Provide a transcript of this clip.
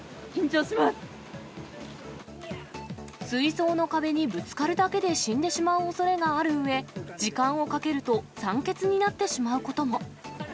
水槽の壁にぶつかるだけで死んでしまうおそれがあるうえ、時間をかけると、酸欠になってしまうことも。